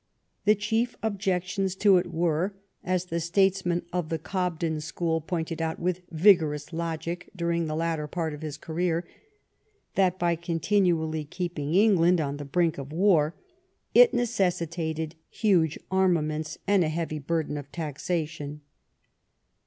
The chief objections to it were, as the statesmen of the Cobden school pointed out with vigorous logic during the later part of his career, that by continually keeping England on the brink of war, it necessitated huge armaments and a heavy burden of taxation.